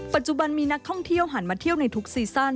ปัจจุบันมีนักท่องเที่ยวหันมาเที่ยวในทุกซีซั่น